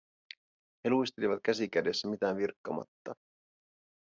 He luistelivat käsi kädessä mitään virkkamatta.